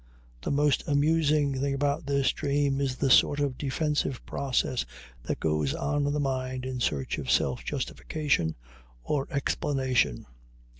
The most amusing thing about this dream is the sort of defensive process that goes on in the mind in search of self justification or explanation.